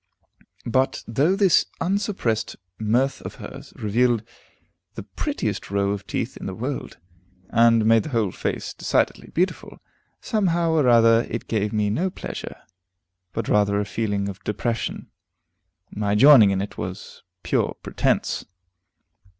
But though this unsuppressed mirth of hers revealed the prettiest row of teeth in the world, and made the whole face decidedly beautiful, somehow or other it gave me no pleasure, but rather a feeling of depression. My joining in it was pure pretence.